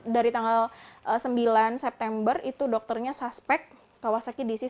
dari tanggal sembilan september dokternya suspek kawasaki disis